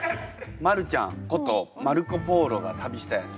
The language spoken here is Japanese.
マルちゃんことマルコ・ポーロが旅したやつ。